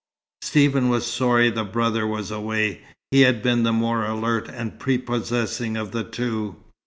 Stephen was sorry the brother was away. He had been the more alert and prepossessing of the two.